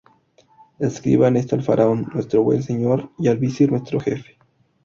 Escriban esto al faraón, nuestro buen señor, y al visir, nuestro jefe.